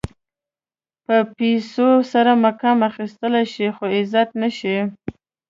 په پیسو سره مقام اخيستلی شې خو عزت نه شې.